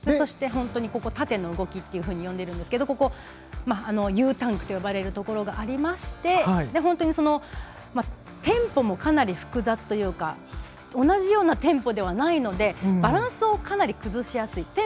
縦の動きと呼んでるんですがＵタンクと呼ばれるところがありましてテンポもかなり複雑というか同じようなテンポではないのでバランスをかなり崩しやすい。